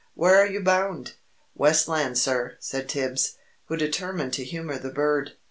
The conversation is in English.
"Where are you bound?" "West Land, sir," said Tibbs, who determined to humour the bird.